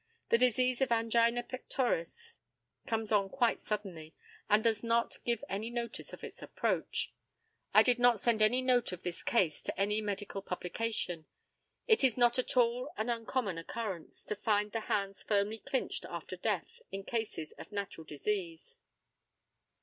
The disease of angina pectoris comes on quite suddenly, and does not give any notice of its approach. I did not send any note of this case to any medical publication. It is not at all an uncommon occurrence to find the hands firmly clinched after death in cases of natural disease.